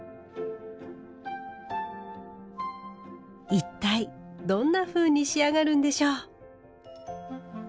一体どんなふうに仕上がるんでしょう。